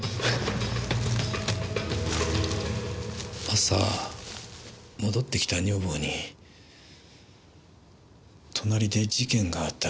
朝戻って来た女房に「隣で事件があったらしい。